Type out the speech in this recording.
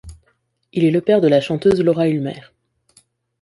Il est le père de la chanteuse Laura Ulmer.